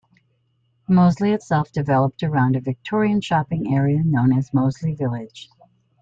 Moseley itself developed around a Victorian shopping area known as "Moseley Village".